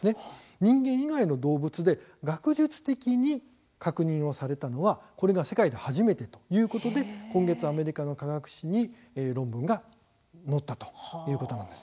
人間以外の動物で学術的に確認されたのはこれが世界で初めてということで今月アメリカの科学誌に論文が載ったということなんです。